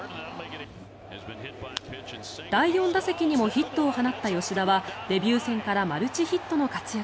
第４打席にもヒットを放った吉田はデビュー戦からマルチヒットの活躍。